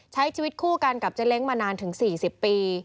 ใช้ชีวิตคู่กันกับเจ๊เล้งมานานถึง๔๐ปี